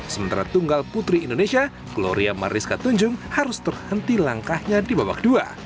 sementara tunggal putri indonesia gloria mariska tunjung harus terhenti langkahnya di babak dua